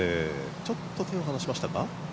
ちょっと手を離しましたか？